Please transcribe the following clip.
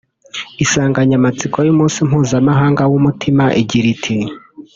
Insanganyamatsiko y’umunsi mpuzamahanga w’umutima igira iti